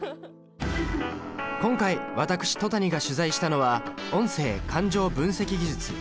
今回私戸谷が取材したのは音声感情分析技術。